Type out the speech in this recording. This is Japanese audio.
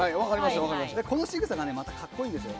このしぐさまた格好いいんですよ。